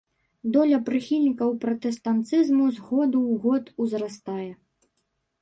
Доля прыхільнікаў пратэстантызму з году ў год узрастае.